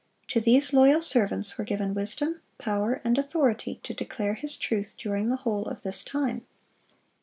To these loyal servants were given wisdom, power, and authority to declare His truth during the whole of this time.